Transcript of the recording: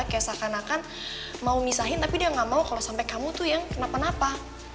kayak seakan akan mau misahin tapi dia gak mau kalau sampai kamu tuh yang kenapa napa